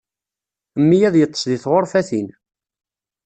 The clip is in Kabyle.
Mmi ad yeṭṭes deg tɣurfatin.